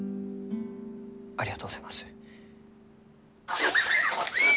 ありがとうございます。